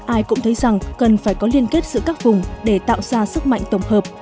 ai cũng thấy rằng cần phải có liên kết giữa các vùng để tạo ra sức mạnh tổng hợp